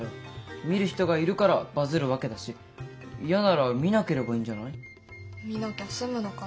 見る人がいるからバズるわけだし嫌なら見なければいいんじゃない？見なきゃ済むのかな？